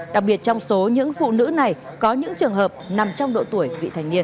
đặc biệt trong số những phụ nữ này có những trường hợp nằm trong độ tuổi vị thành niên